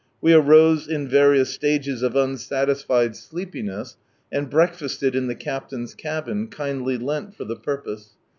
We arose in various stages of unsatisfied sleepiness, and breakfasted in the captain's cabin, kindly lent for the purpose.